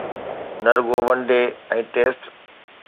نه رڳو one day ۽ test